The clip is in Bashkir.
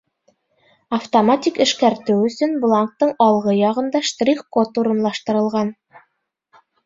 Автоматик эшкәртеү өсөн бланктың алғы яғында штрих-код урынлаштырылған.